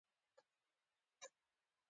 نوي فیصده خلکو یو او بل ته خبرې کولې.